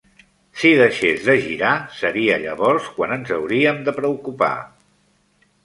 Si deixés de girar, seria llavors quan ens hauríem de preocupar.